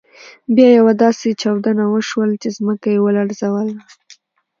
بیا یوه داسې چاودنه وشول چې ځمکه يې ولړزول.